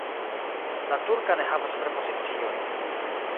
La turka ne havas prepoziciojn.